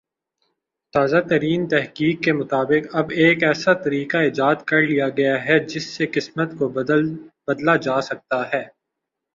تازہ ترین تحقیق کے مطابق اب ایک ایسا طریقہ ایجاد کر لیا گیا ہے جس سے قسمت کو بدلہ جاسکتا ہے